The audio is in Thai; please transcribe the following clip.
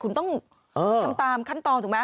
คุณต้องทำตามขั้นตอนถูกไหม